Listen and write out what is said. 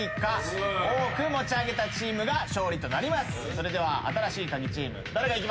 それでは新しいカギチーム誰が行きますか？